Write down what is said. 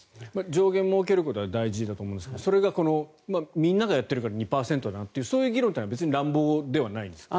上限を設けるのは大事だと思いますがそれがこのみんながやっているから２％というのはそういう議論は乱暴ではないんですか。